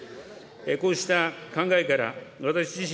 こうした考えから、私自身、